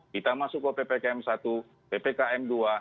kita masuk ke ppkm satu ppkm dua